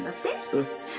うん。